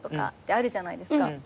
あるじゃないですか。